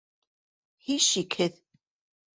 Һис шикһеҙ.